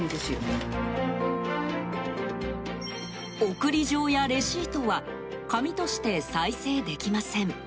送り状やレシートは紙として再生できません。